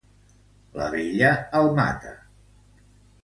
La vella el mata.